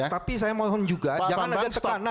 tapi saya mohon juga jangan ada tekanan